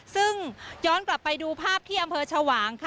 ซึ่งย้อนกลับไปดูภาพที่อำเภอชวางค่ะ